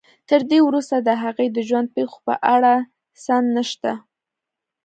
تر دې وروسته د هغې د ژوند پېښو په اړه سند نشته.